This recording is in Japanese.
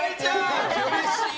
うれしい！